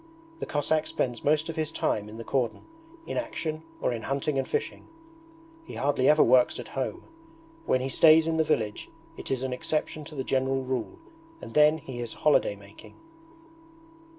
The Cossack spends most of his time in the cordon, in action, or in hunting and fishing. He hardly ever works at home. When he stays in the village it is an exception to the general rule and then he is holiday making.